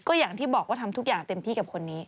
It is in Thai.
ก็อย่างที่บอกว่าทำทุกอย่างเต็มที่กับคนนี้